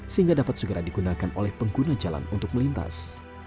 sehingga dapat segera digunakan oleh pengguna jalan untuk melintas